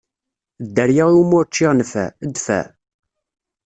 Dderya iwumi ur ččiɣ nnfeɛ, dfeɛ!